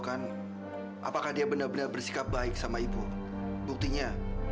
kok teman kamu kasar ya